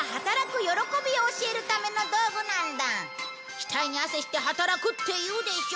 「額に汗して働く」って言うでしょ？